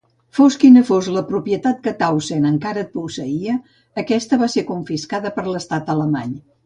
Fos quina fos la propietat que Tausend encara posseïa, aquesta va ser confiscada per l'estat alemany.